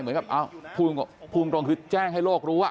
เหมือนกับพูดตรงคือแจ้งให้โลกรู้